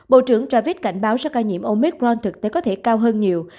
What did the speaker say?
bộ trưởng travis cảnh báo số ca nhiễm omicron thực tế có thể cao hơn nhiều